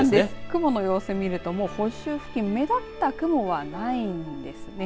雲の様子を見ると本州付近目立った雲はないんですね。